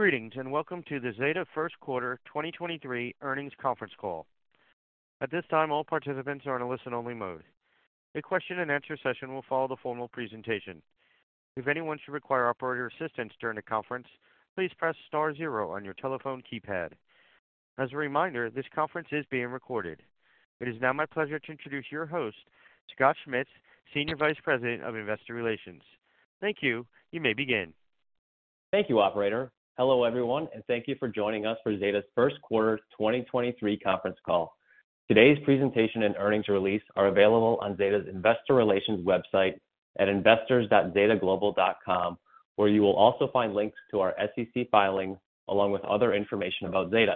Greetings, welcome to the Zeta first quarter 2023 earnings conference call. At this time, all participants are in a listen-only mode. A question and answer session will follow the formal presentation. If anyone should require operator assistance during the conference, please press star zero on your telephone keypad. As a reminder, this conference is being recorded. It is now my pleasure to introduce your host, Scott Schmitz, Senior Vice President of Investor Relations. Thank you. You may begin. Thank you, operator. Hello, everyone, and thank you for joining us for Zeta's first quarter 2023 conference call. Today's presentation and earnings release are available on Zeta's investor relations website at investors.zetaglobal.com, where you will also find links to our SEC filings along with other information about Zeta.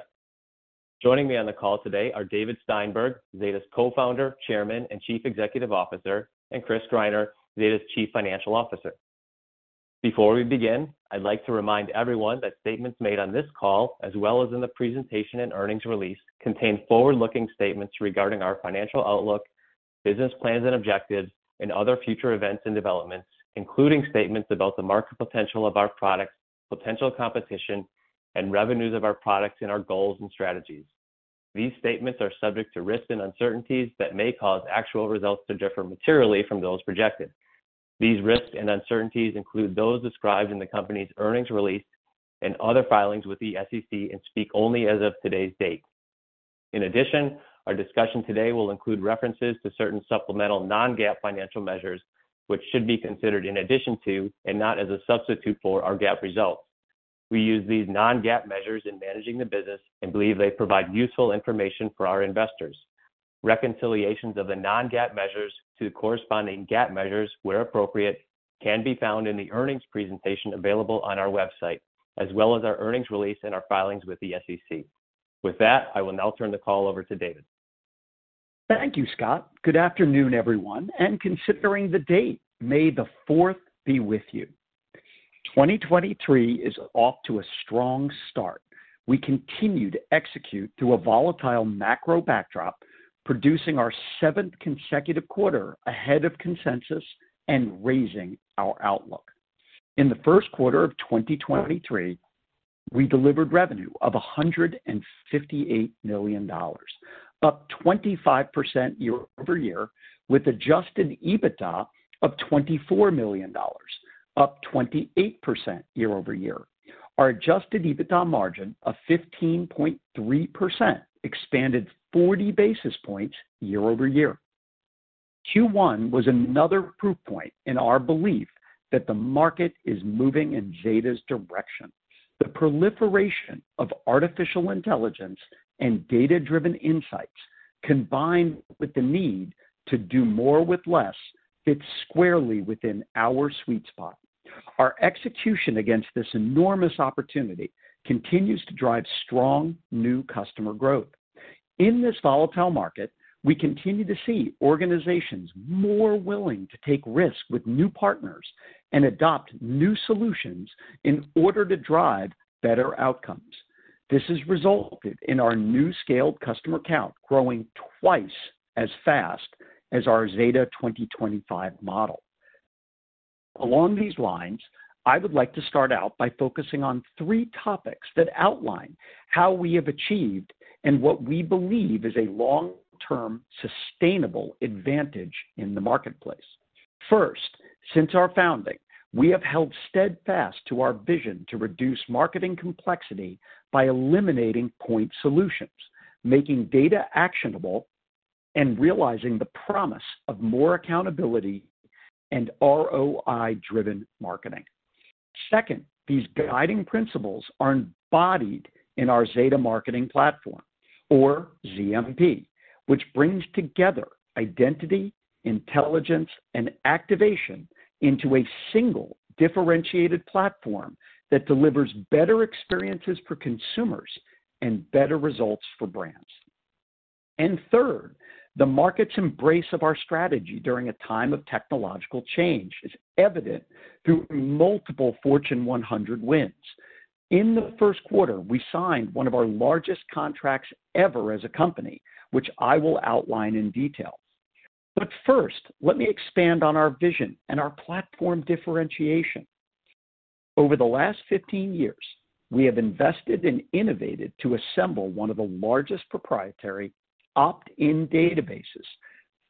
Joining me on the call today are David Steinberg, Zeta's Co-founder, Chairman, and Chief Executive Officer, and Chris Greiner, Zeta's Chief Financial Officer. Before we begin, I'd like to remind everyone that statements made on this call, as well as in the presentation and earnings release, contain forward-looking statements regarding our financial outlook, business plans and objectives, and other future events and developments, including statements about the market potential of our products, potential competition, and revenues of our products and our goals and strategies. These statements are subject to risks and uncertainties that may cause actual results to differ materially from those projected. These risks and uncertainties include those described in the company's earnings release and other filings with the SEC and speak only as of today's date. Our discussion today will include references to certain supplemental non-GAAP financial measures, which should be considered in addition to and not as a substitute for our GAAP results. We use these non-GAAP measures in managing the business and believe they provide useful information for our investors. Reconciliations of the non-GAAP measures to the corresponding GAAP measures, where appropriate, can be found in the earnings presentation available on our website, as well as our earnings release and our filings with the SEC. I will now turn the call over to David. Thank you, Scott. Good afternoon, everyone, and considering the date, May the Fourth be with you. 2023 is off to a strong start. We continue to execute through a volatile macro backdrop, producing our seventh consecutive quarter ahead of consensus and raising our outlook. In the first quarter of 2023, we delivered revenue of $158 million, up 25% year-over-year, with Adjusted EBITDA of $24 million, up 28% year-over-year. Our Adjusted EBITDA margin of 15.3% expanded 40 basis points year-over-year. Q1 was another proof point in our belief that the market is moving in Zeta's direction. The proliferation of Artificial Intelligence and data-driven insights, combined with the need to do more with less, fits squarely within our sweet spot. Our execution against this enormous opportunity continues to drive strong new customer growth. In this volatile market, we continue to see organizations more willing to take risks with new partners and adopt new solutions in order to drive better outcomes. This has resulted in our new scaled customer count growing twice as fast as our Zeta 2025 model. Along these lines, I would like to start out by focusing on three topics that outline how we have achieved and what we believe is a long-term sustainable advantage in the marketplace. First, since our founding, we have held steadfast to our vision to reduce marketing complexity by eliminating point solutions, making data actionable, and realizing the promise of more accountability and ROI-driven marketing. Second, these guiding principles are embodied in our Zeta Marketing Platform, or ZMP, which brings together identity, intelligence, and activation into a single differentiated platform that delivers better experiences for consumers and better results for brands. Third, the market's embrace of our strategy during a time of technological change is evident through multiple Fortune 100 wins. In the first quarter, we signed one of our largest contracts ever as a company, which I will outline in detail. First, let me expand on our vision and our platform differentiation. Over the last 15 years, we have invested and innovated to assemble one of the largest proprietary opt-in databases,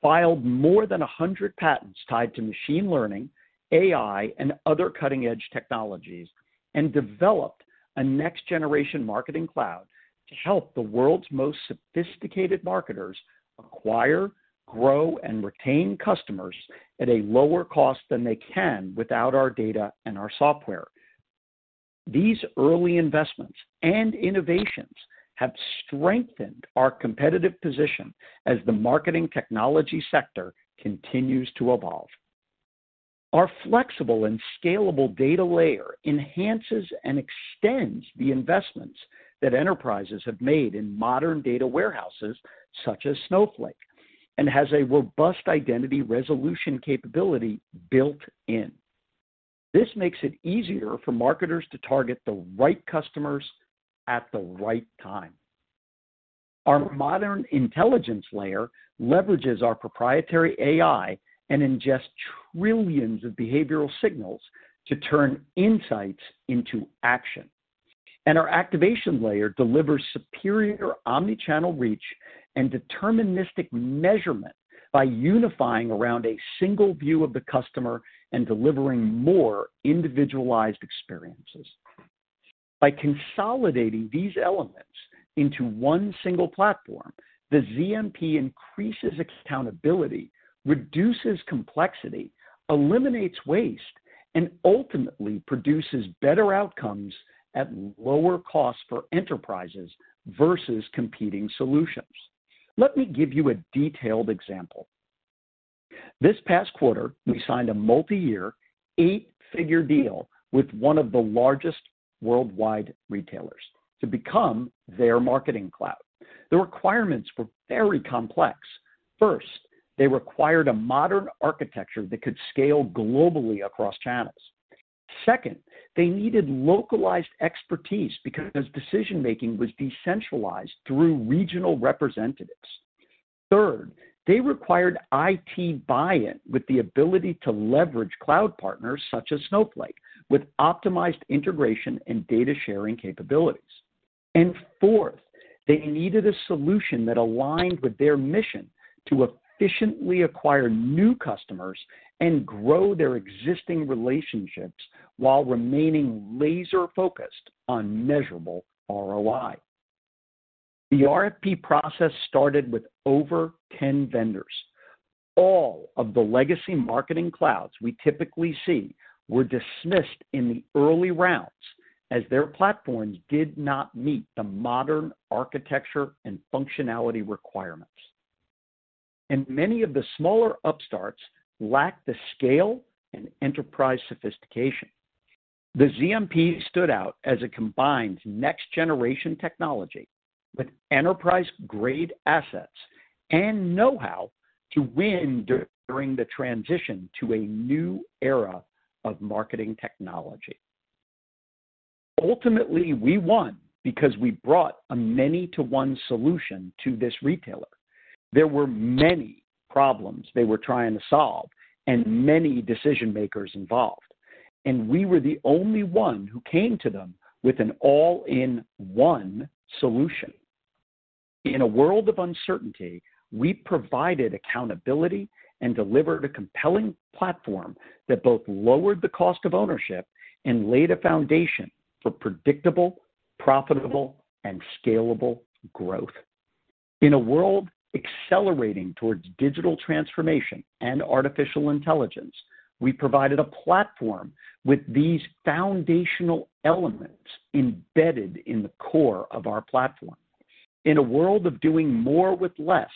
filed more than 100 patents tied to machine learning, AI, and other cutting-edge technologies, and developed a next-generation marketing cloud to help the world's most sophisticated marketers acquire, grow, and retain customers at a lower cost than they can without our data and our software. These early investments and innovations have strengthened our competitive position as the marketing technology sector continues to evolve. Our flexible and scalable data layer enhances and extends the investments that enterprises have made in modern data warehouses such as Snowflake, and has a robust identity resolution capability built in. This makes it easier for marketers to target the right customers at the right time. Our modern intelligence layer leverages our proprietary AI and ingests trillions of behavioral signals to turn insights into action. Our activation layer delivers superior omni-channel reach and deterministic measurement by unifying around a single view of the customer and delivering more individualized experiences. By consolidating these elements into one single platform, the ZMP increases accountability, reduces complexity, eliminates waste, and ultimately produces better outcomes at lower costs for enterprises versus competing solutions. Let me give you a detailed example. This past quarter, we signed a multi-year, 8-figure deal with one of the largest worldwide retailers to become their marketing cloud. The requirements were very complex. First, they required a modern architecture that could scale globally across channels. Second, they needed localized expertise because decision-making was decentralized through regional representatives. Third, they required IT buy-in with the ability to leverage cloud partners such as Snowflake, with optimized integration and data-sharing capabilities. Fourth, they needed a solution that aligned with their mission to efficiently acquire new customers and grow their existing relationships while remaining laser-focused on measurable ROI. The RFP process started with over 10 vendors. All of the legacy marketing clouds we typically see were dismissed in the early rounds as their platforms did not meet the modern architecture and functionality requirements. Many of the smaller upstarts lacked the scale and enterprise sophistication. The ZMP stood out as it combines next-generation technology with enterprise-grade assets and know-how to win during the transition to a new era of marketing technology. Ultimately, we won because we brought a many-to-one solution to this retailer. There were many problems they were trying to solve and many decision-makers involved, and we were the only one who came to them with an all-in-one solution. In a world of uncertainty, we provided accountability and delivered a compelling platform that both lowered the cost of ownership and laid a foundation for predictable, profitable, and scalable growth. In a world accelerating towards digital transformation and artificial intelligence, we provided a platform with these foundational elements embedded in the core of our platform. In a world of doing more with less,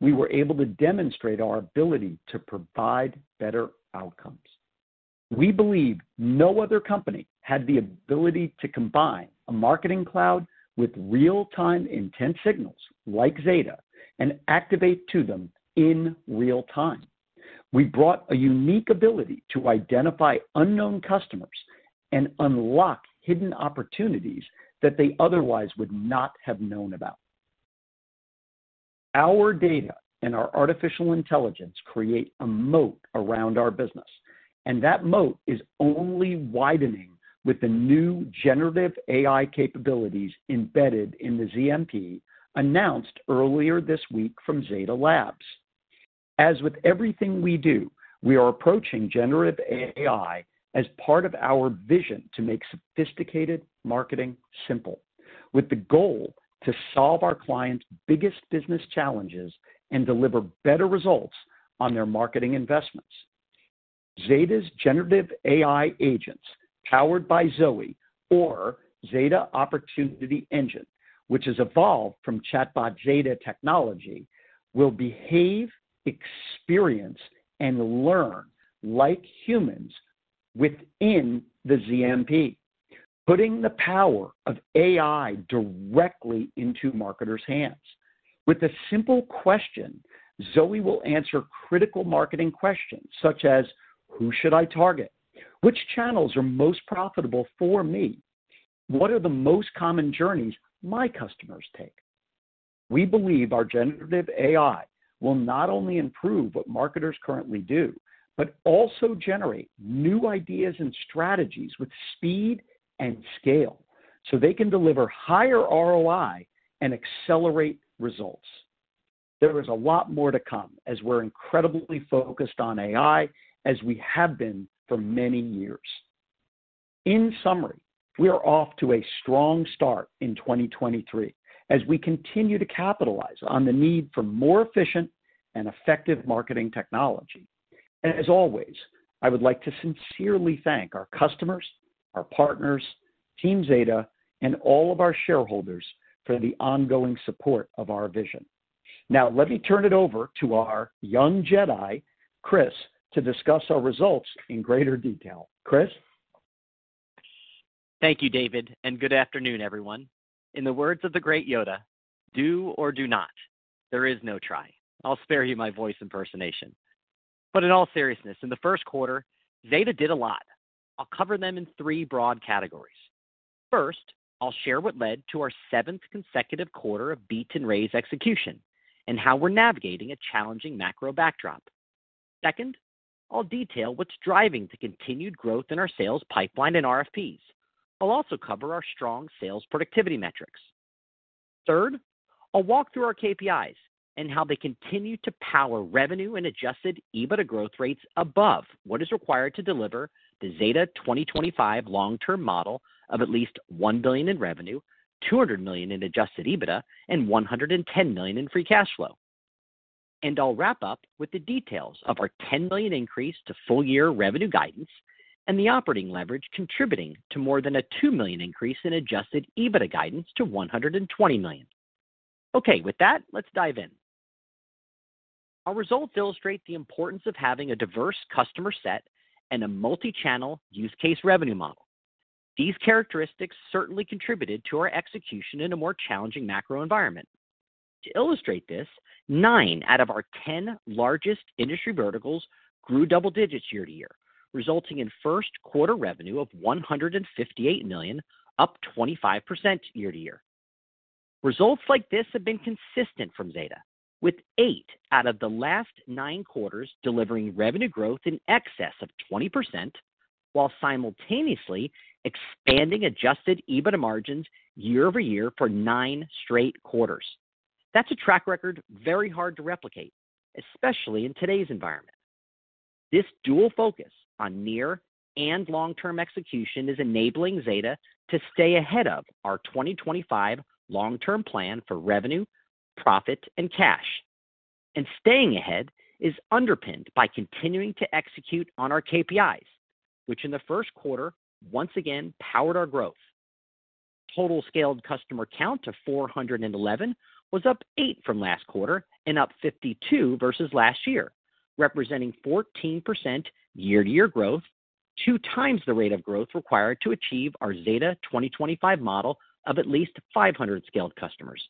we were able to demonstrate our ability to provide better outcomes. We believe no other company had the ability to combine a marketing cloud with real-time intent signals like Zeta and activate to them in real time. We brought a unique ability to identify unknown customers and unlock hidden opportunities that they otherwise would not have known about. Our data and our artificial intelligence create a moat around our business. That moat is only widening with the new generative AI capabilities embedded in the ZMP announced earlier this week from Zeta Labs. As with everything we do, we are approaching generative AI as part of our vision to make sophisticated marketing simple, with the goal to solve our clients' biggest business challenges and deliver better results on their marketing investments. Zeta's generative AI agents, powered by Zoe, or Zeta Opportunity Engine, which has evolved from ChatBotZeta technology, will behave, experience, and learn like humans within the ZMP, putting the power of AI directly into marketers' hands. With a simple question, Zoe will answer critical marketing questions such as, "Who should I target?" "Which channels are most profitable for me?" "What are the most common journeys my customers take?" We believe our generative AI will not only improve what marketers currently do, but also generate new ideas and strategies with speed and scale, so they can deliver higher ROI and accelerate results. There is a lot more to come as we're incredibly focused on AI, as we have been for many years. In summary, we are off to a strong start in 2023 as we continue to capitalize on the need for more efficient and effective marketing technology. As always, I would like to sincerely thank our customers, our partners, Team Zeta, and all of our shareholders for the ongoing support of our vision. Now, let me turn it over to our young Jedi, Chris, to discuss our results in greater detail. Chris? Thank you, David. Good afternoon, everyone. In the words of the great Yoda, "Do or do not. There is no try." I'll spare you my voice impersonation. In all seriousness, in the first quarter, Zeta did a lot. I'll cover them in three broad categories. First, I'll share what led to our seventh consecutive quarter of beat and raise execution and how we're navigating a challenging macro backdrop. Second, I'll detail what's driving the continued growth in our sales pipeline and RFPs. I'll also cover our strong sales productivity metrics. Third, I'll walk through our KPIs and how they continue to power revenue and Adjusted EBITDA growth rates above what is required to deliver the Zeta 2025 long-term model of at least $1 billion in revenue, $200 million in Adjusted EBITDA, and $110 million in Free Cash Flow. I'll wrap up with the details of our $10 million increase to full year revenue guidance and the operating leverage contributing to more than a $2 million increase in Adjusted EBITDA guidance to $120 million. Okay. With that, let's dive in. Our results illustrate the importance of having a diverse customer set and a multichannel use case revenue model. These characteristics certainly contributed to our execution in a more challenging macro environment. To illustrate this, nine out of our 10 largest industry verticals grew double digits year-to-year, resulting in first quarter revenue of $158 million, up 25% year-to-year. Results like this have been consistent from Zeta, with eight out of the last nine quarters delivering revenue growth in excess of 20% while simultaneously expanding Adjusted EBITDA margins year-over-year for nine straight quarters. That's a track record very hard to replicate, especially in today's environment. This dual focus on near and long-term execution is enabling Zeta to stay ahead of our 2025 long-term plan for revenue, profit, and cash. Staying ahead is underpinned by continuing to execute on our KPIs, which in the first quarter, once again powered our growth. Total scaled customer count to 411 was up eight from last quarter and up 52 versus last year, representing 14% year-over-year growth, 2x the rate of growth required to achieve our Zeta 2025 model of at least 500 scaled customers.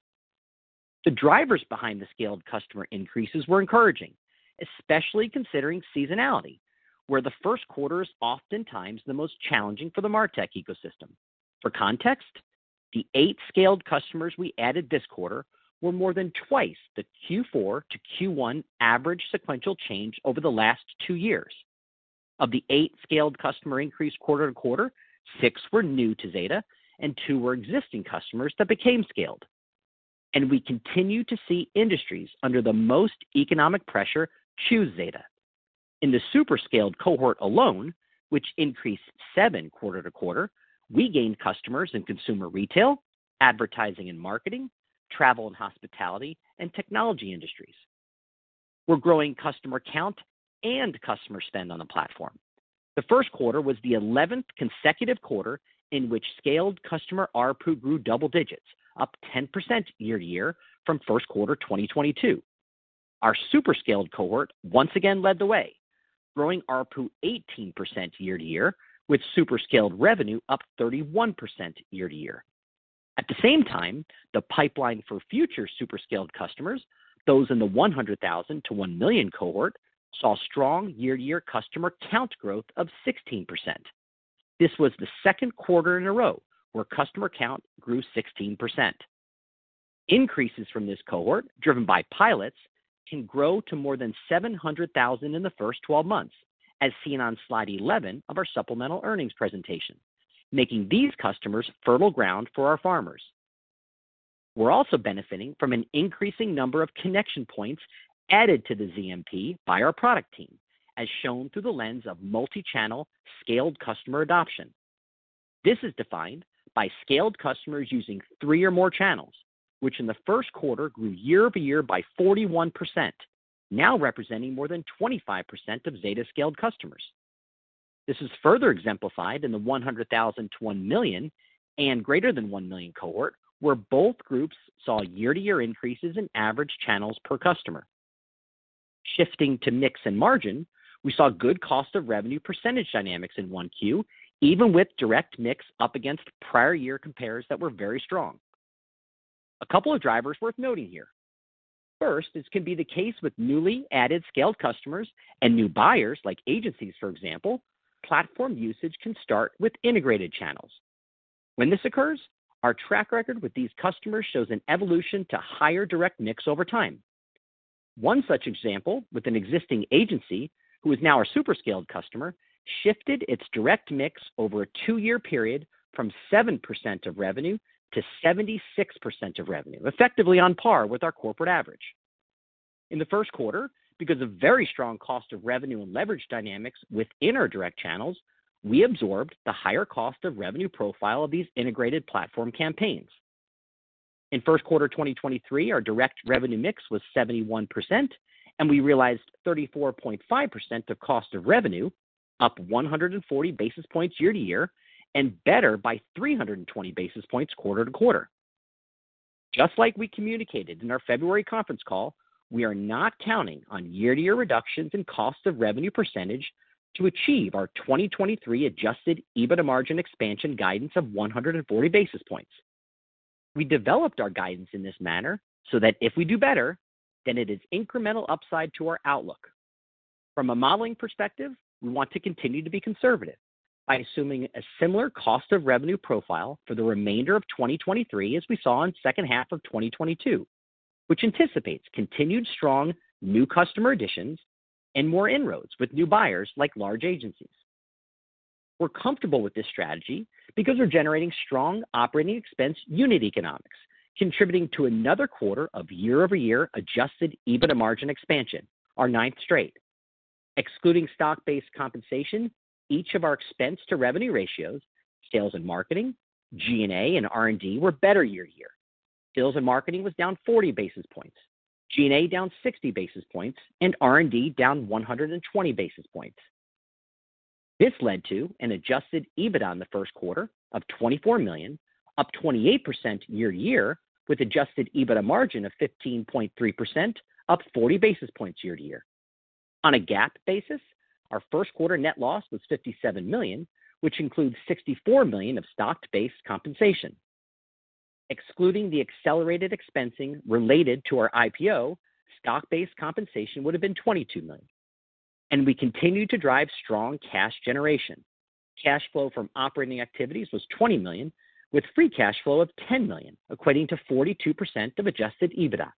The drivers behind the scaled customer increases were encouraging, especially considering seasonality, where the first quarter is oftentimes the most challenging for the MarTech ecosystem. For context, the eight scaled customers we added this quarter were more than twice the Q4 to Q1 average sequential change over the last two years. Of the eight scaled customer increase quarter-to-quarter, six were new to Zeta and two were existing customers that became scaled. We continue to see industries under the most economic pressure choose Zeta. In the super scaled cohort alone, which increased seven quarter-to-quarter, we gained customers in consumer retail, advertising and marketing, travel and hospitality, and technology industries. We're growing customer count and customer spend on the platform. The 11th consecutive quarter in which scaled customer ARPU grew double digits, up 10% year-to-year from first quarter 2022. Our super scaled cohort once again led the way, growing ARPU 18% year-over-year, with super scaled revenue up 31% year-over-year. The pipeline for future super scaled customers, those in the $100,000-$1 million cohort, saw strong year-over-year customer count growth of 16%. This was the second quarter in a row where customer count grew 16%. Increases from this cohort, driven by pilots, can grow to more than $700,000 in the first 12 months, as seen on slide 11 of our supplemental earnings presentation, making these customers fertile ground for our farmers. We're also benefiting from an increasing number of connection points added to the ZMP by our product team, as shown through the lens of multichannel scaled customer adoption. This is defined by scaled customers using three or more channels, which in the first quarter grew year-over-year by 41%, now representing more than 25% of Zeta scaled customers. This is further exemplified in the 100,000 to 1 million and greater than 1 million cohort, where both groups saw year-to-year increases in average channels per customer. Shifting to mix and margin, we saw good cost of revenue percentage dynamics in 1Q, even with direct mix up against prior year compares that were very strong. Couple of drivers worth noting here. This can be the case with newly added scaled customers and new buyers like agencies, for example, platform usage can start with integrated channels. When this occurs, our track record with these customers shows an evolution to higher direct mix over time. One such example with an existing agency, who is now a super scaled customer, shifted its direct mix over a two-year period from 7% of revenue to 76% of revenue, effectively on par with our corporate average. In the 1st quarter, because of very strong cost of revenue and leverage dynamics within our direct channels, we absorbed the higher cost of revenue profile of these integrated platform campaigns. In 1st quarter 2023, our direct revenue mix was 71%, and we realized 34.5% of cost of revenue, up 140 basis points year-over-year and better by 320 basis points quarter-over-quarter. Just like we communicated in our February conference call, we are not counting on year-to-year reductions in cost of revenue percentage to achieve our 2023 Adjusted EBITDA margin expansion guidance of 140 basis points. We developed our guidance in this manner so that if we do better, then it is incremental upside to our outlook. From a modeling perspective, we want to continue to be conservative by assuming a similar cost of revenue profile for the remainder of 2023 as we saw in second half of 2022, which anticipates continued strong new customer additions and more inroads with new buyers like large agencies. We're comfortable with this strategy because we're generating strong operating expense unit economics, contributing to another quarter of year-over-year Adjusted EBITDA margin expansion, our ninth straight. Excluding stock-based compensation, each of our expense to revenue ratios, sales and marketing, G&A, and R&D were better year-to-year. Sales and marketing was down 40 basis points. G&A down 60 basis points, and R&D down 120 basis points. This led to an Adjusted EBITDA in the first quarter of $24 million, up 28% year-to-year, with Adjusted EBITDA margin of 15.3%, up 40 basis points year-to-year. On a GAAP basis, our first quarter net loss was $57 million, which includes $64 million of stock-based compensation. Excluding the accelerated expensing related to our IPO, stock-based compensation would have been $22 million. We continued to drive strong cash generation. Cash flow from operating activities was $20 million with Free Cash Flow of $10 million, equating to 42% of Adjusted EBITDA.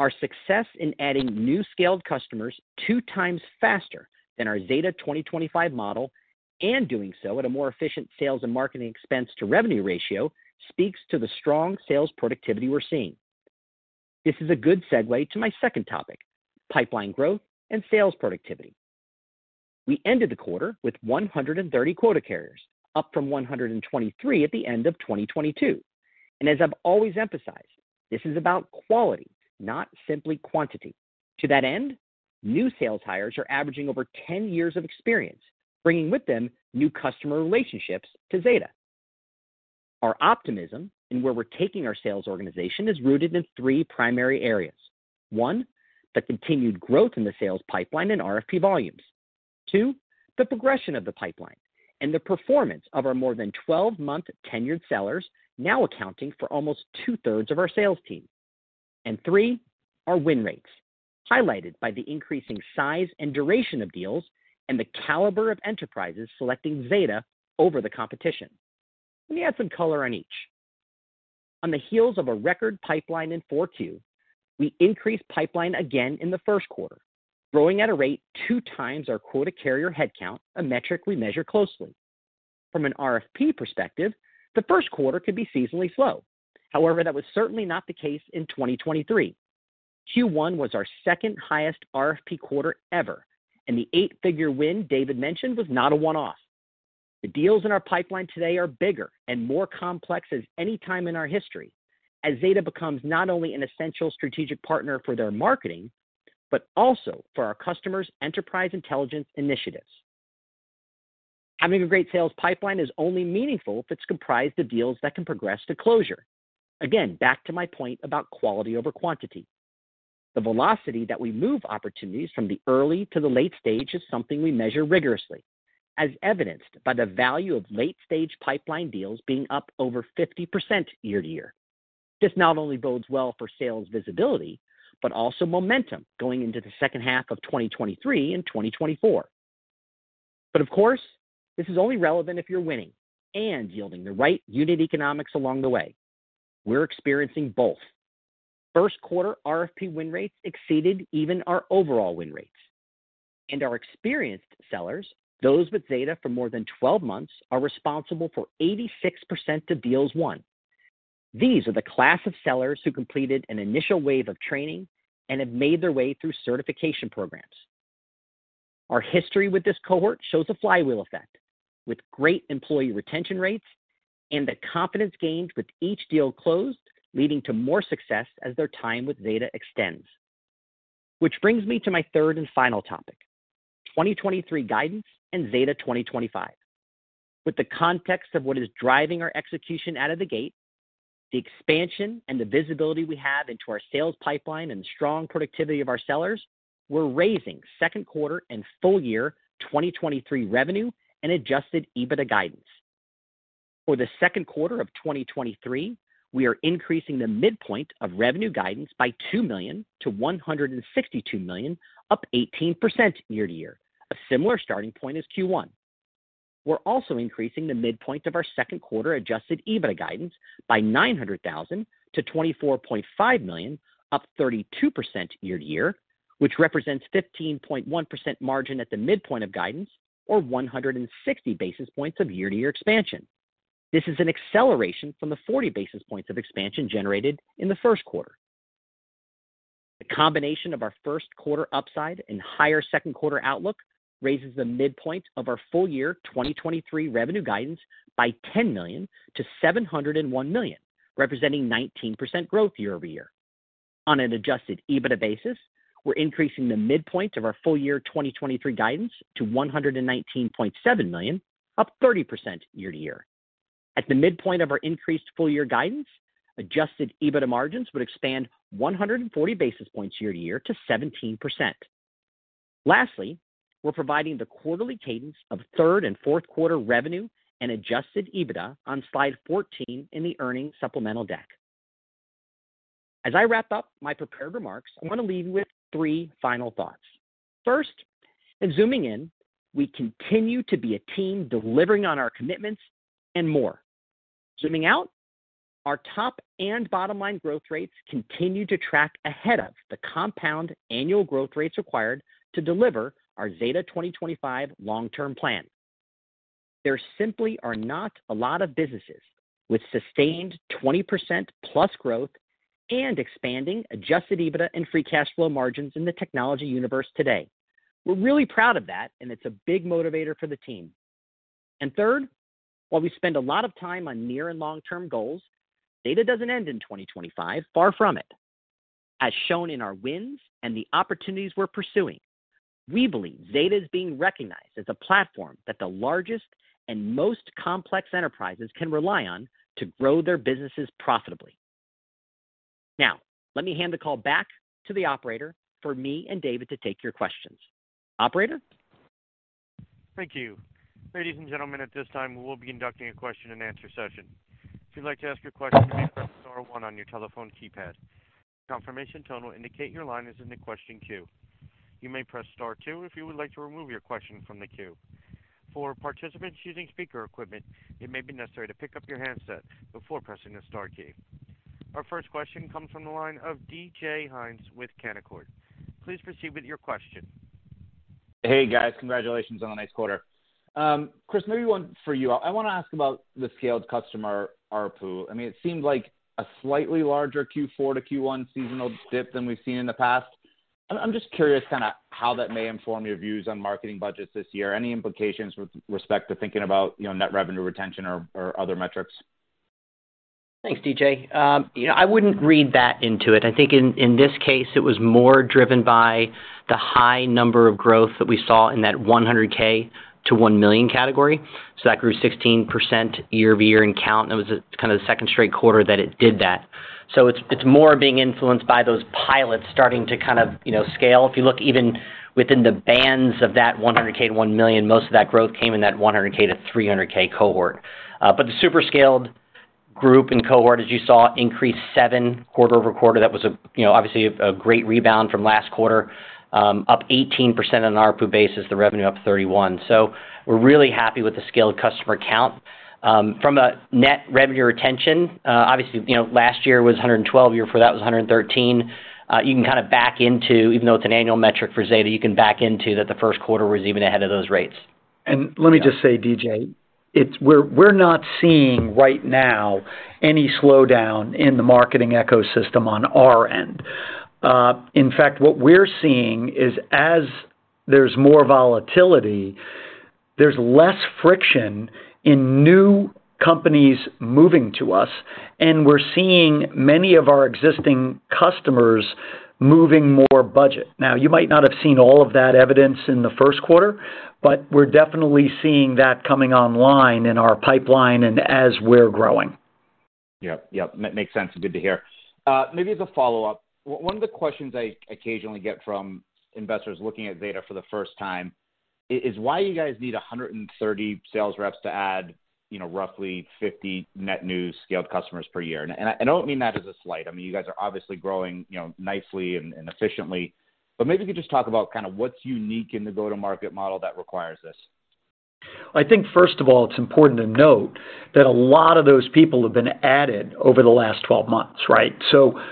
Our success in adding new scaled customers 2x faster than our Zeta 2025 model and doing so at a more efficient sales and marketing expense to revenue ratio speaks to the strong sales productivity we're seeing. This is a good segue to my second topic, pipeline growth and sales productivity. We ended the quarter with 130 quota carriers, up from 123 at the end of 2022. As I've always emphasized, this is about quality, not simply quantity. To that end, new sales hires are averaging over 10 years of experience, bringing with them new customer relationships to Zeta. Our optimism in where we're taking our sales organization is rooted in three primary areas. One, the continued growth in the sales pipeline and RFP volumes. Two, the progression of the pipeline and the performance of our more than 12-month tenured sellers now accounting for almost two-thirds of our sales team. Three, our win rates, highlighted by the increasing size and duration of deals and the caliber of enterprises selecting Zeta over the competition. Let me add some color on each. On the heels of a record pipeline in Q4, we increased pipeline again in the first quarter, growing at a rate 2x our quota carrier headcount, a metric we measure closely. From an RFP perspective, the first quarter could be seasonally slow. However, that was certainly not the case in 2023. Q1 was our second highest RFP quarter ever, and the eight-figure win David mentioned was not a one-off. The deals in our pipeline today are bigger and more complex as any time in our history as Zeta Global becomes not only an essential strategic partner for their marketing, but also for our customers' enterprise intelligence initiatives. Having a great sales pipeline is only meaningful if it's comprised of deals that can progress to closure. Back to my point about quality over quantity. The velocity that we move opportunities from the early to the late stage is something we measure rigorously, as evidenced by the value of late-stage pipeline deals being up over 50% year-over-year. This not only bodes well for sales visibility, but also momentum going into the second half of 2023 and 2024. Of course, this is only relevant if you're winning and yielding the right unit economics along the way. We're experiencing both. First quarter RFP win rates exceeded even our overall win rates. Our experienced sellers, those with Zeta for more than 12 months, are responsible for 86% of deals won. These are the class of sellers who completed an initial wave of training and have made their way through certification programs. Our history with this cohort shows a flywheel effect with great employee retention rates and the confidence gained with each deal closed leading to more success as their time with Zeta extends. Which brings me to my third and final topic, 2023 guidance and Zeta 2025. With the context of what is driving our execution out of the gate, the expansion and the visibility we have into our sales pipeline and strong productivity of our sellers, we're raising second quarter and full year 2023 revenue and Adjusted EBITDA guidance. For the second quarter of 2023, we are increasing the midpoint of revenue guidance by $2 million to $162 million, up 18% year-over-year, a similar starting point as Q1. We're also increasing the midpoint of our second quarter Adjusted EBITDA guidance by $900,000 to $24.5 million, up 32% year-over-year, which represents 15.1% margin at the midpoint of guidance or 160 basis points of year-over-year expansion. This is an acceleration from the 40 basis points of expansion generated in the first quarter. The combination of our first quarter upside and higher second quarter outlook raises the midpoint of our full year 2023 revenue guidance by $10 million to $701 million, representing 19% growth year-over-year. On an Adjusted EBITDA basis, we're increasing the midpoint of our full year 2023 guidance to $119.7 million, up 30% year-over-year. At the midpoint of our increased full year guidance, Adjusted EBITDA margins would expand 140 basis points year-over-year to 17%. Lastly, we're providing the quarterly cadence of third and fourth quarter revenue and Adjusted EBITDA on slide 14 in the earnings supplemental deck. As I wrap up my prepared remarks, I wanna leave you with three final thoughts. First, in zooming in, we continue to be a team delivering on our commitments and more. Zooming out, our top and bottom line growth rates continue to track ahead of the compound annual growth rates required to deliver our Zeta 2025 long-term plan. There simply are not a lot of businesses with sustained 20%+ growth and expanding Adjusted EBITDA and Free Cash Flow margins in the technology universe today. We're really proud of that, and it's a big motivator for the team. Third, while we spend a lot of time on near and long-term goals, data doesn't end in 2025. Far from it. As shown in our wins and the opportunities we're pursuing, we believe Zeta is being recognized as a platform that the largest and most complex enterprises can rely on to grow their businesses profitably. Let me hand the call back to the operator for me and David to take your questions. Operator? Thank you. Ladies and gentlemen, at this time, we will be conducting a question-and-answer session. If you'd like to ask a question, press star one on your telephone keypad. Confirmation tone will indicate your line is in the question queue. You may press star two if you would like to remove your question from the queue. For participants using speaker equipment, it may be necessary to pick up your handset before pressing the star key. Our first question comes from the line of DJ Hynes with Canaccord. Please proceed with your question. Hey, guys. Congratulations on a nice quarter. Chris, maybe one for you. I wanna ask about the scaled customer ARPU. I mean, it seemed like a slightly larger Q4 to Q1 seasonal dip than we've seen in the past. I'm just curious kinda how that may inform your views on marketing budgets this year. Any implications with respect to thinking about, you know, Net Revenue Retention or other metrics? Thanks, DJ. You know, I wouldn't read that into it. I think in this case, it was more driven by the high number of growth that we saw in that 100k to $1 million category. That grew 16% year-over-year in count, and it was kinda the second straight quarter that it did that. It's more being influenced by those pilots starting to kind of, you know, scale. If you look even within the bands of that 100k to $1 million, most of that growth came in that 100k to 300k cohort. The super scaled group and cohort, as you saw, increased seven quarter-over-quarter. That was a, you know, obviously a great rebound from last quarter, up 18% on ARPU basis, the revenue up 31%. We're really happy with the scaled customer count. From a Net Revenue Retention, obviously, you know, last year was 112, year before that was 113. You can kinda back into... Even though it's an annual metric for Zeta, you can back into that the 1st quarter was even ahead of those rates. Let me just say, DJ, we're not seeing right now any slowdown in the marketing ecosystem on our end. In fact, what we're seeing is as there's more volatility, there's less friction in new companies moving to us, and we're seeing many of our existing customers moving more budget. You might not have seen all of that evidence in the first quarter, but we're definitely seeing that coming online in our pipeline and as we're growing. Yep. Makes sense. Good to hear. Maybe as a follow-up, one of the questions I occasionally get from investors looking at Zeta for the first time is why you guys need 130 sales reps to add, you know, roughly 50 net new scaled customers per year? I don't mean that as a slight. I mean, you guys are obviously growing, you know, nicely and efficiently. Maybe you could just talk about kinda what's unique in the go-to-market model that requires this. I think first of all, it's important to note that a lot of those people have been added over the last 12 months, right?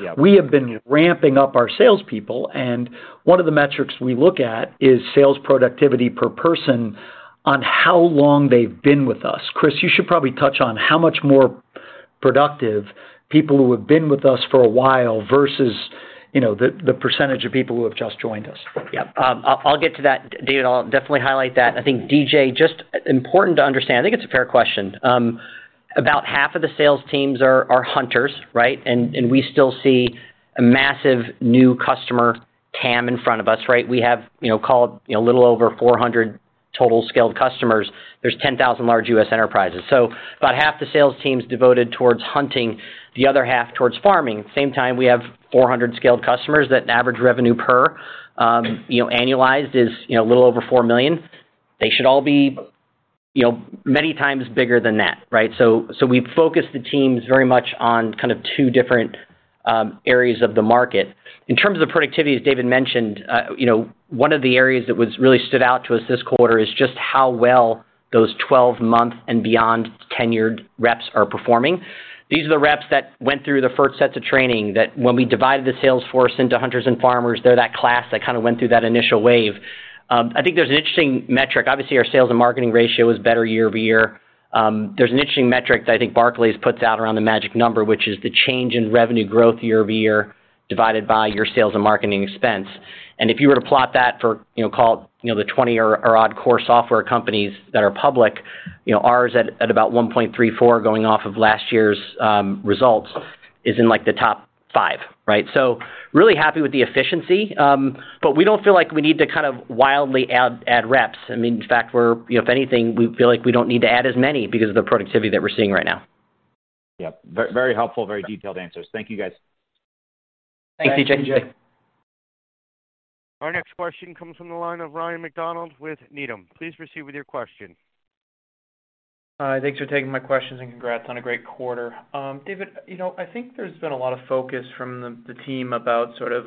Yeah. We have been ramping up our salespeople, and one of the metrics we look at is sales productivity per person on how long they've been with us. Chris, you should probably touch on how much more productive people who have been with us for a while versus, you know, the percentage of people who have just joined us. Yeah. I'll get to that, David. I'll definitely highlight that. I think, DJ, just important to understand, I think it's a fair question, about half of the sales teams are hunters, right? We still see a massive new customer TAM in front of us, right? We have, you know, call it, you know, a little over 400 total scaled customers. There's 10,000 large U.S. enterprises. About half the sales team's devoted towards hunting, the other half towards farming. Same time, we have 400 scaled customers that average revenue per, you know, annualized is, you know, a little over $4 million. They should all be, you know, many times bigger than that, right? We focus the teams very much on kind of two different areas of the market. In terms of productivity, as David mentioned, you know, one of the areas that was really stood out to us this quarter is just how well those 12-month and beyond tenured reps are performing. These are the reps that went through the first sets of training, that when we divided the sales force into hunters and farmers, they're that class that kinda went through that initial wave. I think there's an interesting metric. Obviously, our sales and marketing ratio is better year-over-year. There's an interesting metric that I think Barclays puts out around the magic number, which is the change in revenue growth year-over-year divided by your sales and marketing expense. If you were to plot that for, you know, call it, you know, the 20 or odd core software companies that are public, you know, ours at about 1.34 going off of last year's results is in, like, the top five, right? Really happy with the efficiency. But we don't feel like we need to kind of wildly add reps. I mean, in fact, you know, if anything, we feel like we don't need to add as many because of the productivity that we're seeing right now. Yep. Very helpful, very detailed answers. Thank you, guys. Thanks, DJ. Our next question comes from the line of Ryan MacDonald with Needham. Please proceed with your question. Thanks for taking my questions, and congrats on a great quarter. David, you know, I think there's been a lot of focus from the team about sort of,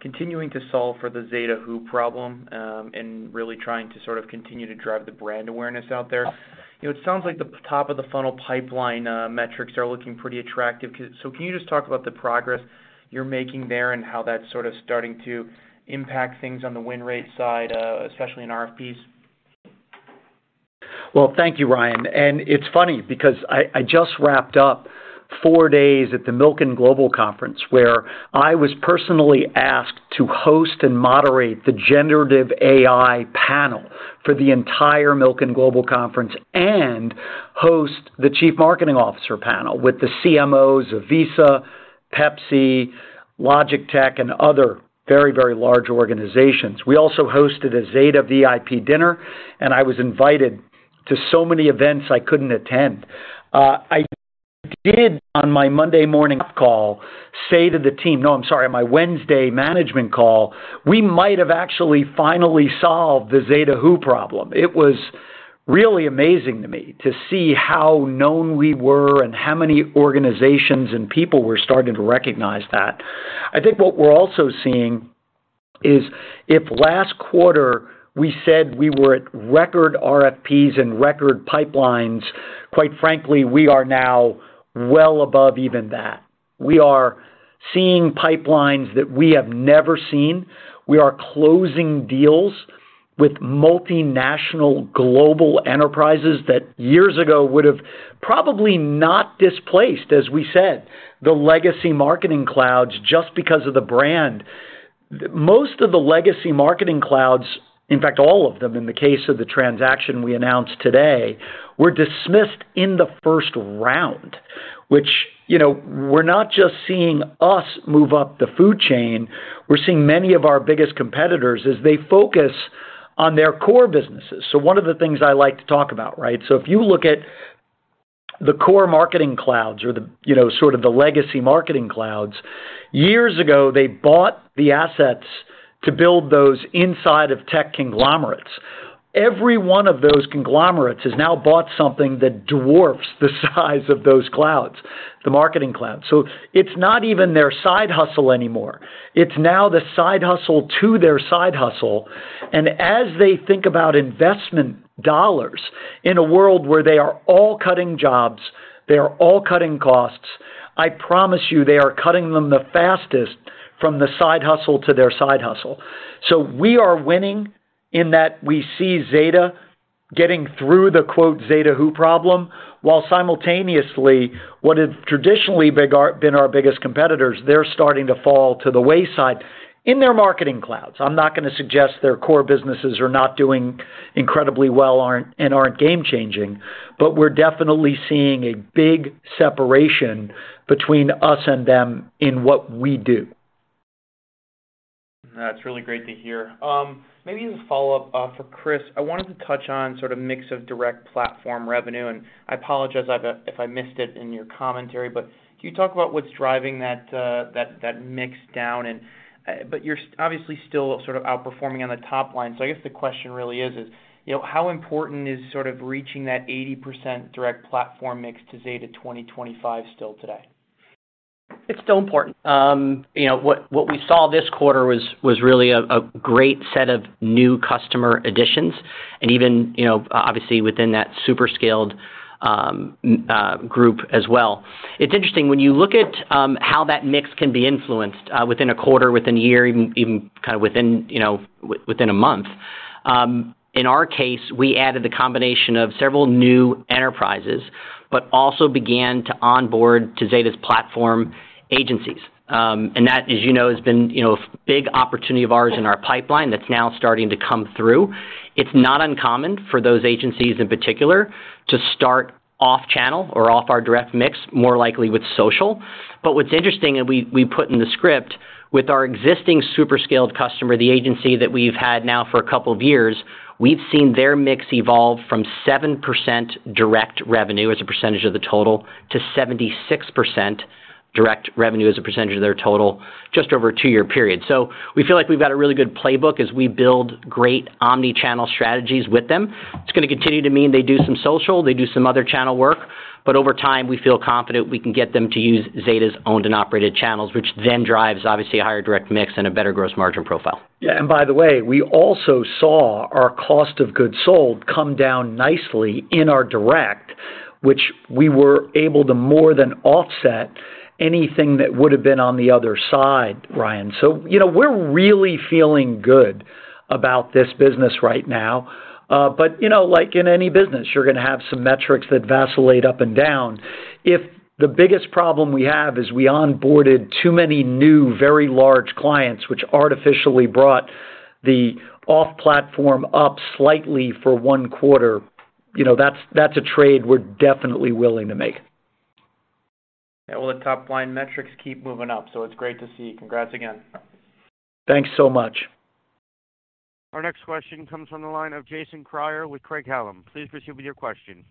continuing to solve for the Zeta who problem, and really trying to sort of continue to drive the brand awareness out there. You know, it sounds like the top of the funnel pipeline, metrics are looking pretty attractive. Can you just talk about the progress you're making there and how that's sort of starting to impact things on the win rate side, especially in RFPs? Well, thank you, Ryan. It's funny because I just wrapped up four days at the Milken Institute Global Conference, where I was personally asked to host and moderate the generative AI panel for the entire Milken Institute Global Conference and host the Chief Marketing Officer panel with the CMOs of Visa, Pepsi, Logitech, and other very, very large organizations. We also hosted a Zeta VIP dinner, and I was invited to so many events I couldn't attend. I did on my Wednesday management call, say to the team, we might have actually finally solved the Zeta who problem. It was really amazing to me to see how known we were and how many organizations and people were starting to recognize that. I think what we're also seeing is if last quarter we said we were at record RFPs and record pipelines, quite frankly, we are now well above even that. We are seeing pipelines that we have never seen. We are closing deals with multinational global enterprises that years ago would've probably not displaced, as we said, the legacy marketing clouds just because of the brand. Most of the legacy marketing clouds, in fact, all of them in the case of the transaction we announced today, were dismissed in the first round, which, you know, we're not just seeing us move up the food chain, we're seeing many of our biggest competitors as they focus on their core businesses. One of the things I like to talk about, right? If you look at the core marketing clouds or the, you know, sort of the legacy marketing clouds, years ago, they bought the assets to build those inside of tech conglomerates. Every one of those conglomerates has now bought something that dwarfs the size of those clouds, the marketing clouds. It's not even their side hustle anymore. It's now the side hustle to their side hustle. And as they think about investment dollars in a world where they are all cutting jobs, they are all cutting costs, I promise you, they are cutting them the fastest from the side hustle to their side hustle. We are winning in that we see Zeta getting through the quote, "Zeta who problem," while simultaneously, what have traditionally been our biggest competitors, they're starting to fall to the wayside in their marketing clouds. I'm not gonna suggest their core businesses are not doing incredibly well, and aren't game-changing, but we're definitely seeing a big separation between us and them in what we do. That's really great to hear. Maybe as a follow-up for Chris, I wanted to touch on sort of mix of direct platform revenue, and I apologize if I missed it in your commentary, but can you talk about what's driving that mix down? But you're obviously still sort of outperforming on the top line. I guess the question really is, you know, how important is sort of reaching that 80% direct platform mix to Zeta 2025 still today? It's still important. You know, what we saw this quarter was really a great set of new customer additions. Even, you know, obviously within that super scaled group as well. It's interesting when you look at how that mix can be influenced within a quarter, within a year, even kind of within, you know, within a month. In our case, we added the combination of several new enterprises. Also began to onboard to Zeta's platform agencies. That, as you know, has been, you know, a big opportunity of ours in our pipeline that's now starting to come through. It's not uncommon for those agencies in particular to start off channel or off our direct mix, more likely with social. What's interesting, and we put in the script, with our existing super scaled customer, the agency that we've had now for a couple of years, we've seen their mix evolve from 7% direct revenue as a percentage of the total, to 76% direct revenue as a percentage of their total just over a two-year period. We feel like we've got a really good playbook as we build great omnichannel strategies with them. It's gonna continue to mean they do some social, they do some other channel work, but over time, we feel confident we can get them to use Zeta's owned and operated channels, which then drives obviously a higher direct mix and a better gross margin profile. By the way, we also saw our cost of goods sold come down nicely in our direct, which we were able to more than offset anything that would have been on the other side, Ryan. You know, we're really feeling good about this business right now. You know, like in any business, you're gonna have some metrics that vacillate up and down. If the biggest problem we have is we onboarded too many new, very large clients, which artificially brought the off-platform up slightly for one quarter, you know, that's a trade we're definitely willing to make. Yeah. Well, the top line metrics keep moving up, so it's great to see. Congrats again. Thanks so much. Our next question comes from the line of Jason Kreyer with Craig-Hallum. Please proceed with your question.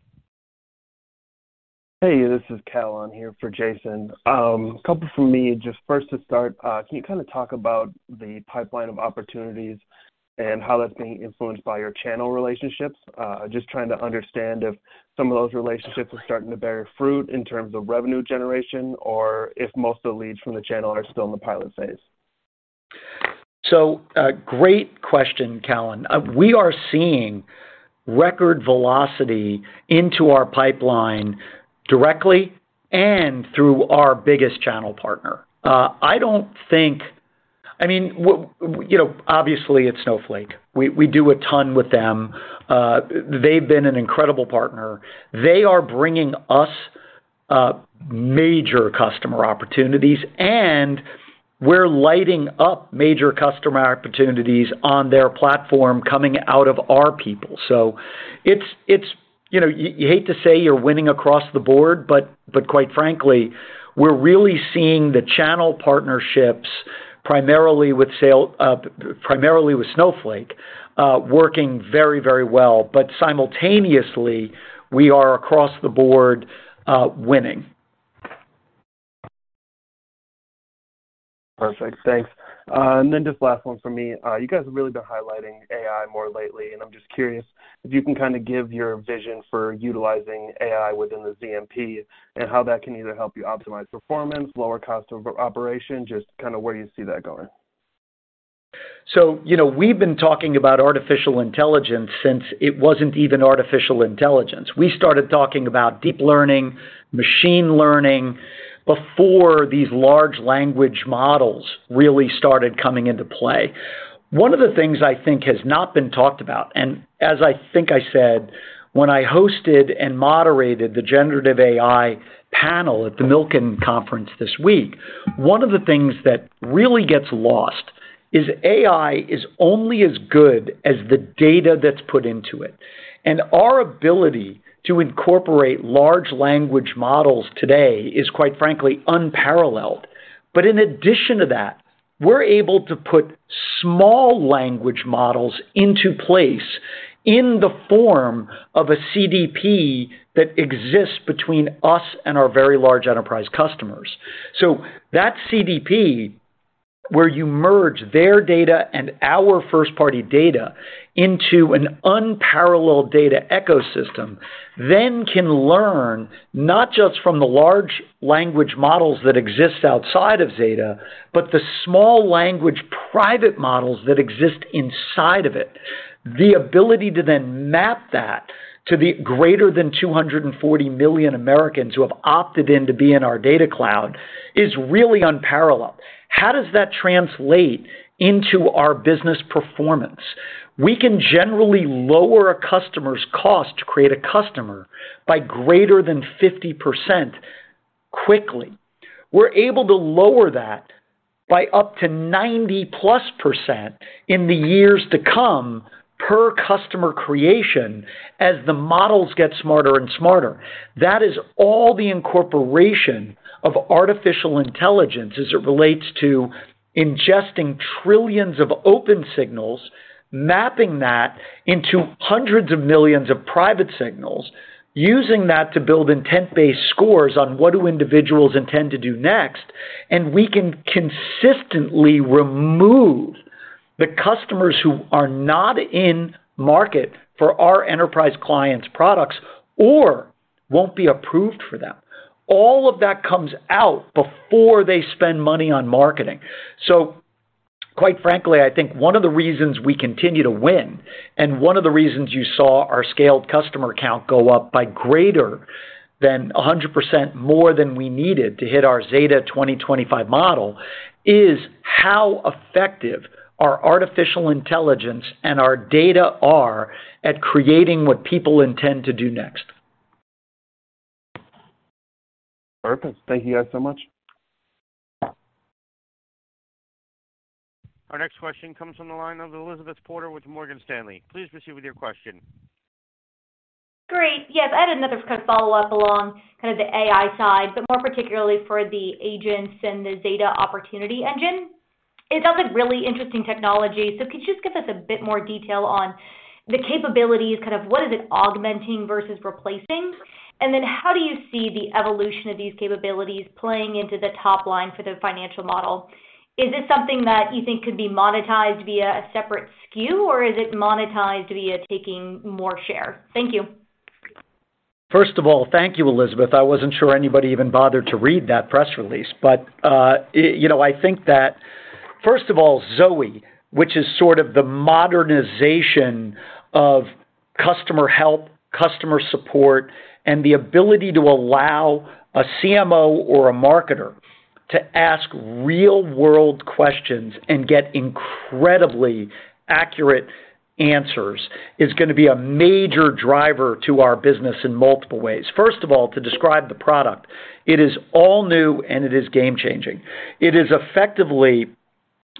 Hey, this is Callan here for Jason. A couple from me. Just first to start, can you kinda talk about the pipeline of opportunities and how that's being influenced by your channel relationships? Just trying to understand if some of those relationships are starting to bear fruit in terms of revenue generation or if most of the leads from the channel are still in the pilot phase. Great question, Callan. We are seeing record velocity into our pipeline directly and through our biggest channel partner. I mean, you know, obviously it's Snowflake. We do a ton with them. They've been an incredible partner. They are bringing us major customer opportunities, and we're lighting up major customer opportunities on their platform coming out of our people. It's, you know, you hate to say you're winning across the board, but quite frankly, we're really seeing the channel partnerships primarily with Snowflake working very, very well. Simultaneously, we are across the board winning. Perfect. Thanks. Just last one from me. You guys have really been highlighting AI more lately, and I'm just curious if you can kinda give your vision for utilizing AI within the ZMP and how that can either help you optimize performance, lower cost of operation, just kinda where you see that going? You know, we've been talking about artificial intelligence since it wasn't even artificial intelligence. We started talking about deep learning, machine learning before these large language models really started coming into play. One of the things I think has not been talked about, and as I think I said when I hosted and moderated the generative AI panel at the Milken Conference this week, one of the things that really gets lost is AI is only as good as the data that's put into it. Our ability to incorporate large language models today is, quite frankly, unparalleled. In addition to that, we're able to put small language models into place in the form of a CDP that exists between us and our very large enterprise customers. That CDP, where you merge their data and our first-party data into an unparalleled data ecosystem, then can learn not just from the large language models that exist outside of Zeta, but the small language private models that exist inside of it. The ability to then map that to the greater than 240 million Americans who have opted in to be in our data cloud is really unparalleled. How does that translate into our business performance? We can generally lower a customer's cost to create a customer by greater than 50% quickly. We're able to lower that by up to 90%+ in the years to come per customer creation as the models get smarter and smarter. That is all the incorporation of artificial intelligence as it relates to ingesting trillions of open signals, mapping that into hundreds of millions of private signals, using that to build intent-based scores on what do individuals intend to do next, we can consistently remove the customers who are not in market for our enterprise clients' products or won't be approved for them. All of that comes out before they spend money on marketing. Quite frankly, I think one of the reasons we continue to win, and one of the reasons you saw our scaled customer count go up by greater than 100% more than we needed to hit our Zeta 2025 model, is how effective our artificial intelligence and our data are at creating what people intend to do next. Perfect. Thank you guys so much. Our next question comes from the line of Elizabeth Porter with Morgan Stanley. Please proceed with your question. Great. Yeah. I had another kind of follow-up along kind of the AI side, but more particularly for the agents and the Zeta Opportunity Engine. It sounds like really interesting technology. Could you just give us a bit more detail on the capabilities, kind of what is it augmenting versus replacing? And then how do you see the evolution of these capabilities playing into the top line for the financial model? Is this something that you think could be monetized via a separate SKU, or is it monetized via taking more share? Thank you. First of all, thank you, Elizabeth. I wasn't sure anybody even bothered to read that press release. you know, I think that, first of all, Zoe, which is sort of the modernization of customer help, customer support, and the ability to allow a CMO or a marketer to ask real-world questions and get incredibly accurate answers, is gonna be a major driver to our business in multiple ways. First of all, to describe the product, it is all new, and it is game-changing. It is effectively.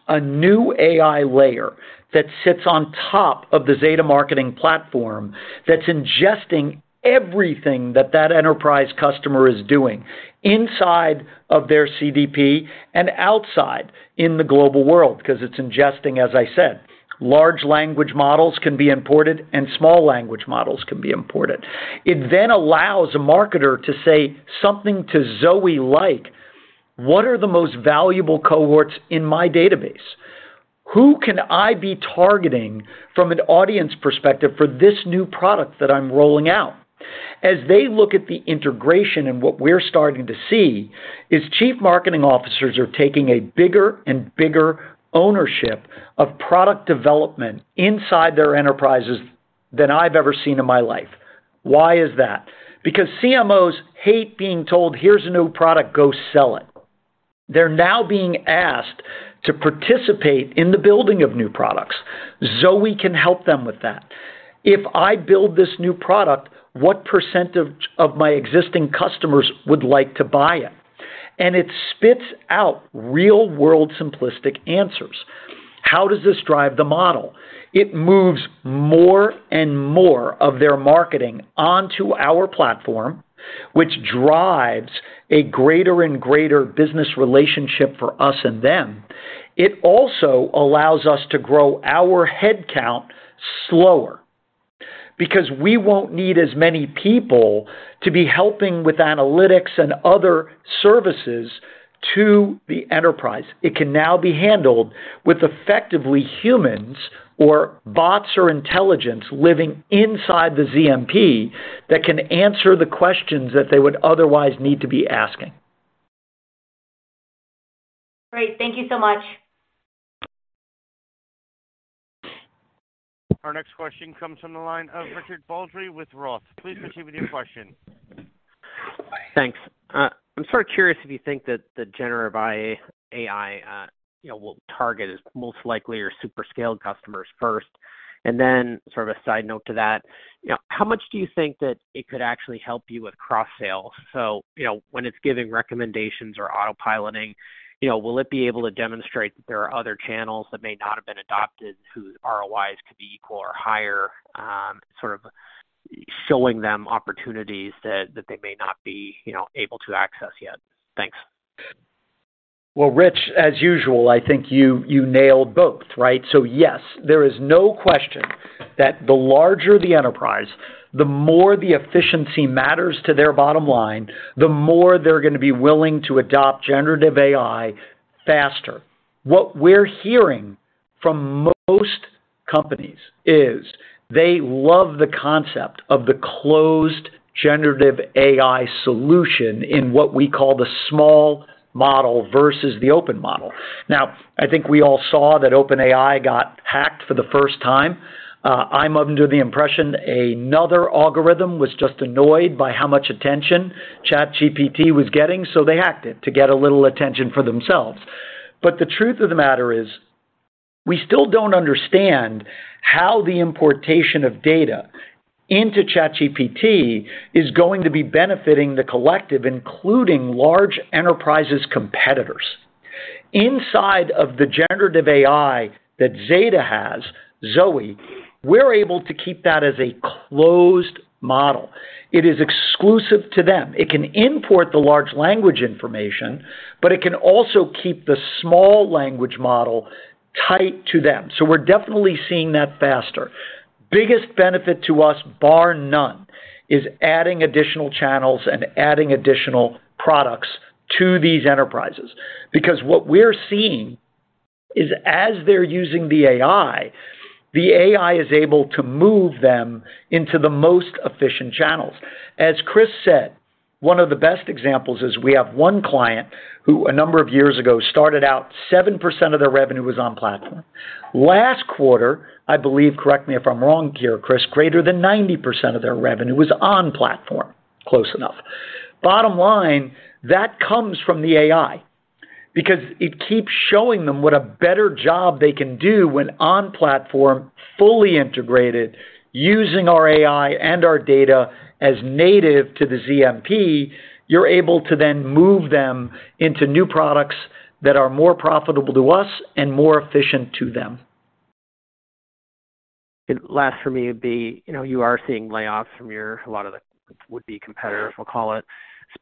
A new AI layer that sits on top of the Zeta Marketing Platform that's ingesting everything that that enterprise customer is doing inside of their CDP and outside in the global world, 'cause it's ingesting, as I said. Large language models can be imported, and small language models can be imported. It then allows a marketer to say something to Zoe like, "What are the most valuable cohorts in my database? Who can I be targeting from an audience perspective for this new product that I'm rolling out?" As they look at the integration and what we're starting to see is chief marketing officers are taking a bigger and bigger ownership of product development inside their enterprises than I've ever seen in my life. Why is that? Because CMOs hate being told, "Here's a new product. Go sell it." They're now being asked to participate in the building of new products. Zoe can help them with that. If I build this new product, what percent of my existing customers would like to buy it? It spits out real-world simplistic answers. How does this drive the model? It moves more and more of their marketing onto our platform, which drives a greater and greater business relationship for us and them. It also allows us to grow our head count slower because we won't need as many people to be helping with analytics and other services to the enterprise. It can now be handled with effectively humans or bots or intelligence living inside the ZMP that can answer the questions that they would otherwise need to be asking. Great. Thank you so much. Our next question comes from the line of Richard Baldry with Roth. Please proceed with your question. Thanks. I'm sort of curious if you think that the generative AI, you know, will target is most likely your super scaled customers first. Sort of a side note to that, you know, how much do you think that it could actually help you with cross sales? When it's giving recommendations or autopiloting, you know, will it be able to demonstrate that there are other channels that may not have been adopted whose ROIs could be equal or higher, sort of showing them opportunities that they may not be, you know, able to access yet? Thanks. Well, Rich, as usual, I think you nailed both, right? Yes, there is no question that the larger the enterprise, the more the efficiency matters to their bottom line, the more they're gonna be willing to adopt generative AI faster. What we're hearing from most companies is they love the concept of the closed generative AI solution in what we call the small model versus the open model. I think we all saw that OpenAI got hacked for the first time. I'm under the impression another algorithm was just annoyed by how much attention ChatGPT was getting, so they hacked it to get a little attention for themselves. The truth of the matter is, we still don't understand how the importation of data into ChatGPT is going to be benefiting the collective, including large enterprises' competitors. Inside of the generative AI that Zeta has, Zoe, we're able to keep that as a closed model. It is exclusive to them. It can import the large language information, but it can also keep the small language model tight to them. We're definitely seeing that faster. Biggest benefit to us, bar none, is adding additional channels and adding additional products to these enterprises. What we're seeing is as they're using the AI, the AI is able to move them into the most efficient channels. As Chris said, one of the best examples is we have one client who a number of years ago started out 7% of their revenue was on platform. Last quarter, I believe, correct me if I'm wrong here, Chris, greater than 90% of their revenue was on platform. Close enough. Bottom line, that comes from the AI because it keeps showing them what a better job they can do when on platform, fully integrated, using our AI and our data as native to the ZMP, you're able to then move them into new products that are more profitable to us and more efficient to them. Last for me would be, you know, you are seeing layoffs from a lot of the would-be competitors, we'll call it.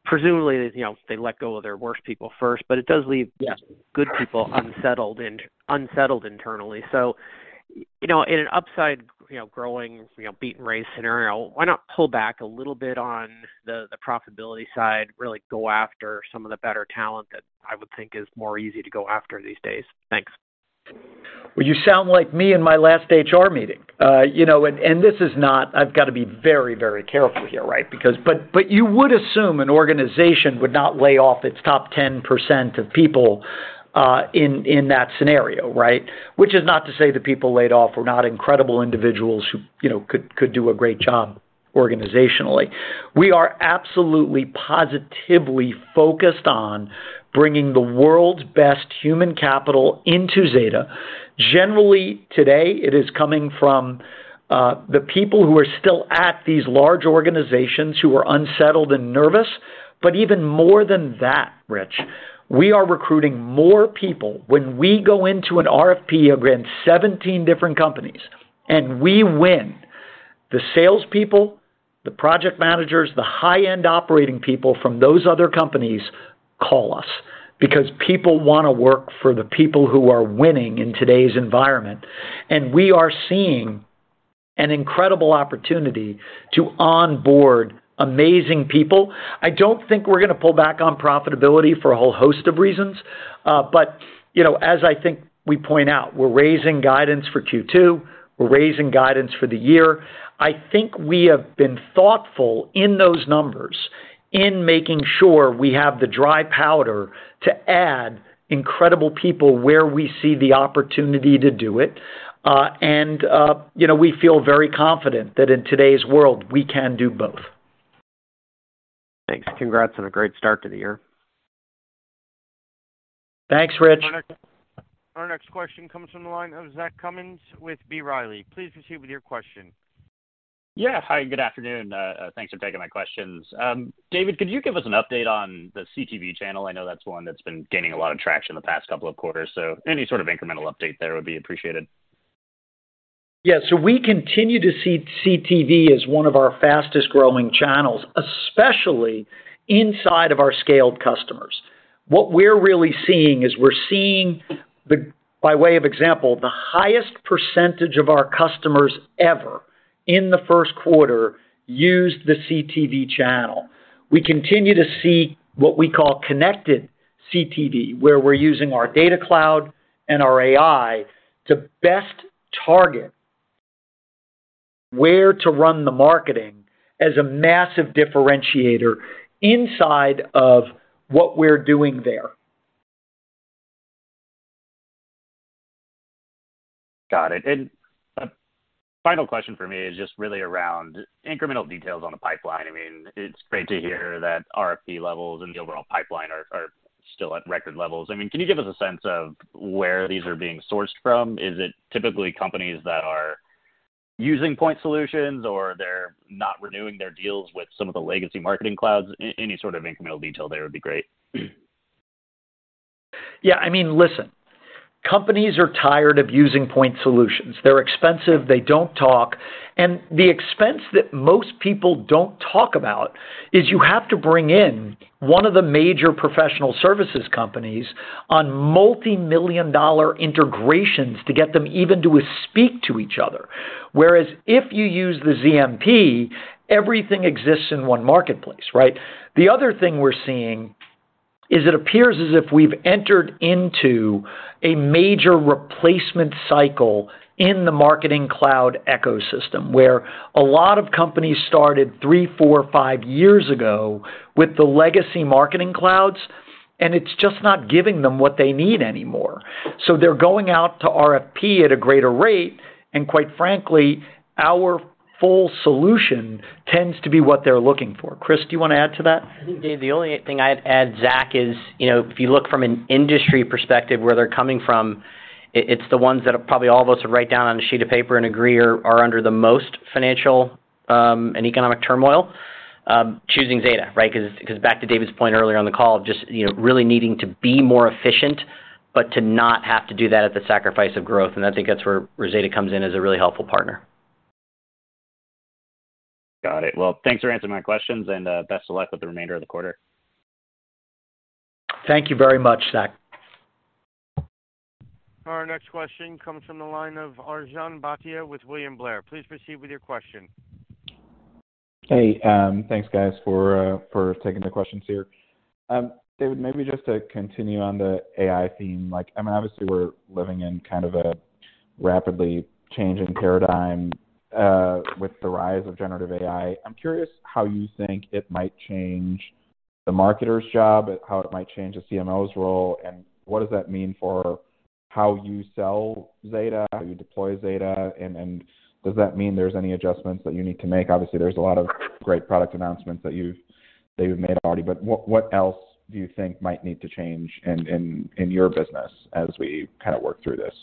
Presumably, you know, they let go of their worst people first, but it does leave- Yeah. good people unsettled internally. You know, in an upside, you know, growing, you know, beat and raise scenario, why not pull back a little bit on the profitability side, really go after some of the better talent that I would think is more easy to go after these days? Thanks. You sound like me in my last HR meeting. You know, and this is not I've gotta be very, very careful here, right? You would assume an organization would not lay off its top 10% of people, in that scenario, right? Which is not to say the people laid off were not incredible individuals who, you know, could do a great job organizationally. We are absolutely positively focused on bringing the world's best human capital into Zeta. Generally, today, it is coming from, the people who are still at these large organizations who are unsettled and nervous. Even more than that, Rich, we are recruiting more people. When we go into an RFP against 17 different companies and we win, the salespeople, the project managers, the high-end operating people from those other companies call us because people wanna work for the people who are winning in today's environment. We are seeing an incredible opportunity to onboard amazing people. I don't think we're gonna pull back on profitability for a whole host of reasons. You know, as I think we point out, we're raising guidance for Q2, we're raising guidance for the year. I think we have been thoughtful in those numbers in making sure we have the dry powder to add incredible people where we see the opportunity to do it. You know, we feel very confident that in today's world, we can do both. Thanks. Congrats on a great start to the year. Thanks, Rich. Our next question comes from the line of Zachary Cummins with B. Riley. Please proceed with your question. Yeah. Hi, good afternoon. thanks for taking my questions. David, could you give us an update on the CTV channel? I know that's one that's been gaining a lot of traction the past couple of quarters, so any sort of incremental update there would be appreciated. Yeah. We continue to see CTV as one of our fastest-growing channels, especially inside of our scaled customers. What we're really seeing is we're seeing the, by way of example, the highest percentage of our customers ever in the first quarter use the CTV channel. We continue to see what we call connected CTV, where we're using our data cloud and our AI to best target where to run the marketing as a massive differentiator inside of what we're doing there. Got it. A final question for me is just really around incremental details on the pipeline. I mean, it's great to hear that RFP levels and the overall pipeline are still at record levels. I mean, can you give us a sense of where these are being sourced from? Is it typically companies that are using point solutions or they're not renewing their deals with some of the legacy marketing clouds? Any sort of incremental detail there would be great. I mean, listen, companies are tired of using point solutions. They're expensive, they don't talk, and the expense that most people don't talk about is you have to bring in one of the major professional services companies on multi-million dollar integrations to get them even to speak to each other. Whereas if you use the ZMP, everything exists in one marketplace, right? The other thing we're seeing is it appears as if we've entered into a major replacement cycle in the marketing cloud ecosystem, where a lot of companies started three, four, five years ago with the legacy marketing clouds, and it's just not giving them what they need anymore. They're going out to RFP at a greater rate, and quite frankly, our full solution tends to be what they're looking for. Chris, do you wanna add to that? I think, David, the only thing I'd add, Zachary, is, you know, if you look from an industry perspective where they're coming from, it's the ones that are probably all of us would write down on a sheet of paper and agree are under the most financial and economic turmoil, choosing Zeta, right? Cause back to David's point earlier on the call, just, you know, really needing to be more efficient, but to not have to do that at the sacrifice of growth. I think that's where Zeta comes in as a really helpful partner. Got it. Well, thanks for answering my questions, and best of luck with the remainder of the quarter. Thank you very much, Zach. Our next question comes from the line of Arjun Bhatia with William Blair. Please proceed with your question. Hey, thanks, guys, for taking the questions here. David, maybe just to continue on the AI theme, like, I mean, obviously we're living in kind of a rapidly changing paradigm with the rise of generative AI. I'm curious how you think it might change the marketer's job, how it might change the CMO's role, and what does that mean for how you sell Zeta, how you deploy Zeta, and does that mean there's any adjustments that you need to make? Obviously, there's a lot of great product announcements that you've, David, made already, but what else do you think might need to change in your business as we kinda work through this?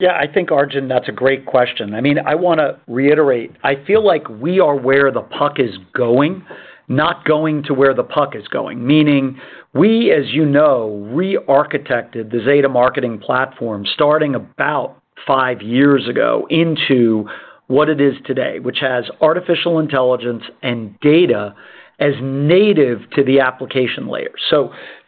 Yeah. I think, Arjun, that's a great question. I mean, I wanna reiterate, I feel like we are where the puck is going, not going to where the puck is going. Meaning, we, as you know, rearchitected the Zeta Marketing Platform starting about five years ago into what it is today, which has artificial intelligence and data as native to the application layer.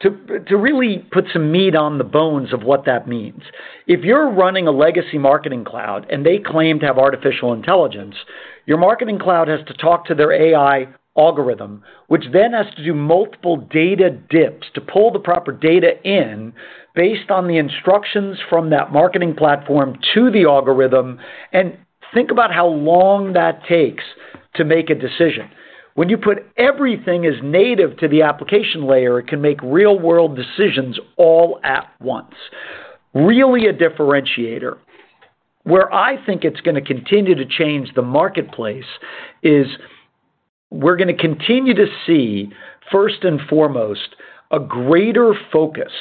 To really put some meat on the bones of what that means, if you're running a legacy marketing cloud and they claim to have artificial intelligence, your marketing cloud has to talk to their AI algorithm, which then has to do multiple data dips to pull the proper data in based on the instructions from that marketing platform to the algorithm, and think about how long that takes to make a decision. When you put everything as native to the application layer, it can make real-world decisions all at once. Really a differentiator. Where I think it's gonna continue to change the marketplace is we're gonna continue to see, first and foremost, a greater focus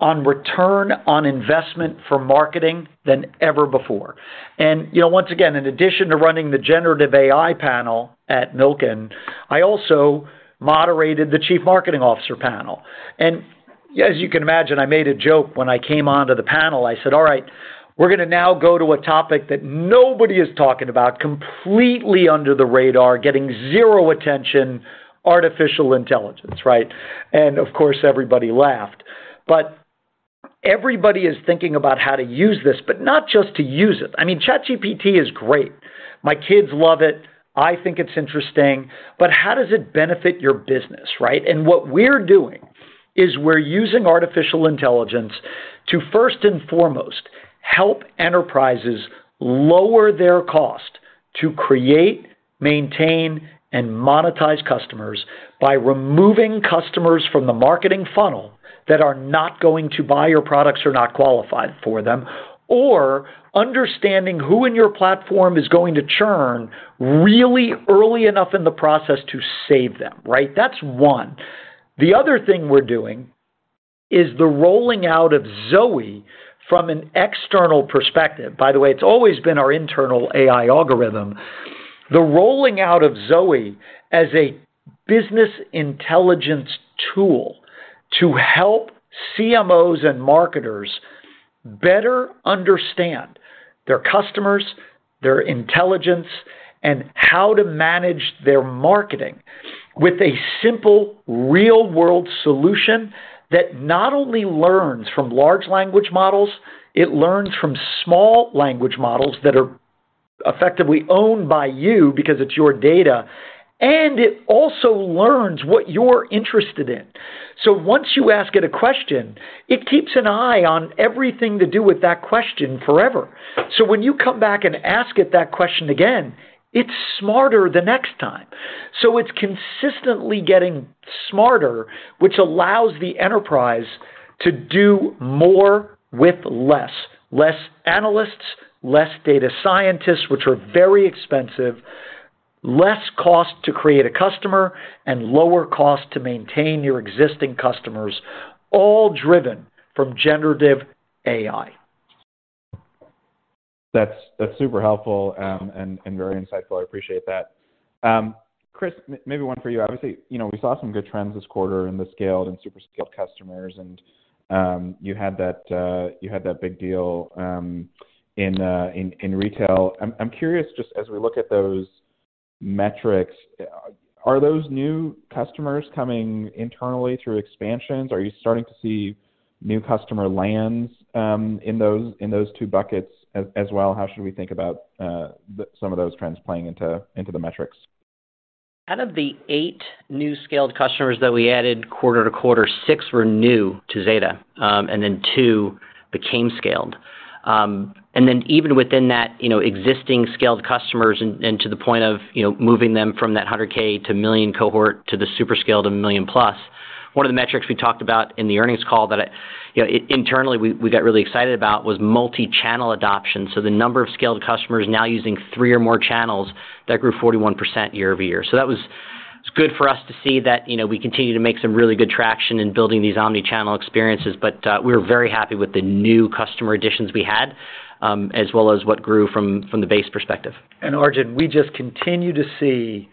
on return on investment for marketing than ever before. You know, once again, in addition to running the generative AI panel at Milken, I also moderated the chief marketing officer panel. As you can imagine, I made a joke when I came onto the panel. I said, "All right, we're gonna now go to a topic that nobody is talking about, completely under the radar, getting zero attention, artificial intelligence," right? Of course, everybody laughed. Everybody is thinking about how to use this, but not just to use it. I mean, ChatGPT is great. My kids love it. I think it's interesting, but how does it benefit your business, right? What we're doing is we're using artificial intelligence to first and foremost help enterprises lower their cost to create, maintain, and monetize customers by removing customers from the marketing funnel that are not going to buy your products or not qualified for them, or understanding who in your platform is going to churn really early enough in the process to save them, right? That's one. The other thing we're doing is the rolling out of Zoe from an external perspective. By the way, it's always been our internal AI algorithm. The rolling out of Zoe as a business intelligence tool to help CMOs and marketers better understand their customers, their intelligence, and how to manage their marketing with a simple real-world solution that not only learns from large language models, it learns from small language models that are effectively owned by you because it's your data, and it also learns what you're interested in. Once you ask it a question, it keeps an eye on everything to do with that question forever. When you come back and ask it that question again, it's smarter the next time. It's consistently getting smarter, which allows the enterprise to do more with less, less analysts, less data scientists, which are very expensive, less cost to create a customer and lower cost to maintain your existing customers, all driven from generative AI. That's super helpful and very insightful. I appreciate that. Chris, maybe one for you. Obviously, you know, we saw some good trends this quarter in the scaled and super scaled customers and you had that big deal in retail. I'm curious just as we look at those metrics, are those new customers coming internally through expansions? Are you starting to see new customer lands in those two buckets as well? How should we think about some of those trends playing into the metrics? Out of the eight new scaled customers that we added quarter-to-quarter, six were new to Zeta, and then two became scaled. Even within that, you know, existing scaled customers and to the point of, you know, moving them from that 100K to $1 million cohort to the super scaled, $1 million+, one of the metrics we talked about in the earnings call that, you know, internally we got really excited about was multi-channel adoption. The number of scaled customers now using three or more channels, that grew 41% year-over-year. It's good for us to see that, you know, we continue to make some really good traction in building these omni-channel experiences, but we're very happy with the new customer additions we had, as well as what grew from the base perspective. Arjun, we just continue to see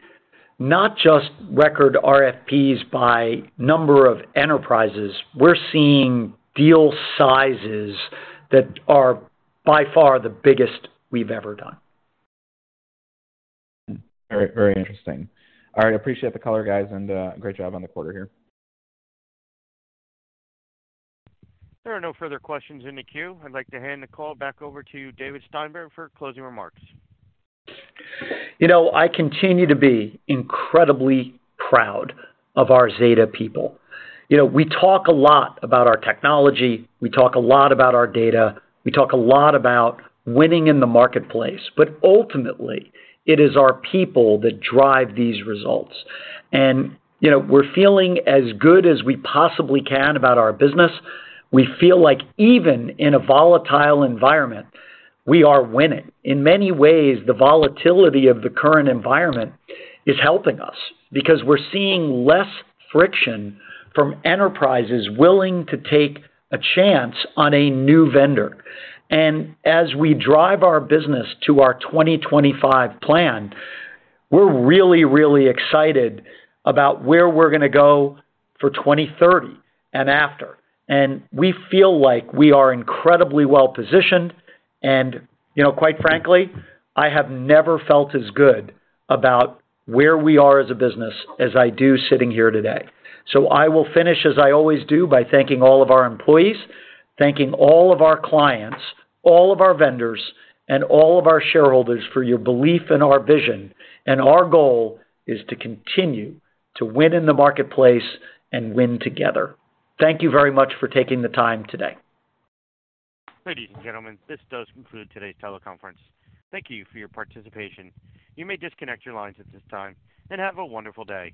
not just record RFPs by number of enterprises. We're seeing deal sizes that are by far the biggest we've ever done. Very, very interesting. All right. I appreciate the color, guys, and great job on the quarter here. There are no further questions in the queue. I'd like to hand the call back over to David Steinberg for closing remarks. You know, I continue to be incredibly proud of our Zeta people. You know, we talk a lot about our technology. We talk a lot about our data. We talk a lot about winning in the marketplace, but ultimately, it is our people that drive these results. You know, we're feeling as good as we possibly can about our business. We feel like even in a volatile environment, we are winning. In many ways, the volatility of the current environment is helping us because we're seeing less friction from enterprises willing to take a chance on a new vendor. As we drive our business to our 2025 plan, we're really, really excited about where we're gonna go for 2030 and after. We feel like we are incredibly well positioned and, you know, quite frankly, I have never felt as good about where we are as a business as I do sitting here today. I will finish as I always do by thanking all of our employees, thanking all of our clients, all of our vendors, and all of our shareholders for your belief in our vision. Our goal is to continue to win in the marketplace and win together. Thank you very much for taking the time today. Ladies and gentlemen, this does conclude today's teleconference. Thank you for your participation. You may disconnect your lines at this time, and have a wonderful day.